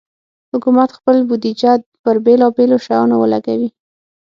حکومت خپل بودیجه پر بېلابېلو شیانو ولګوي.